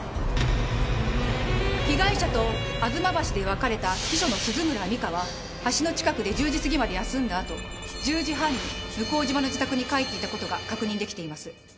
被害者と吾妻橋で別れた秘書の鈴村美加は橋の近くで１０時過ぎまで休んだあと１０時半に向島の自宅に帰っていた事が確認できています。